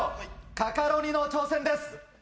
カカロニの挑戦です。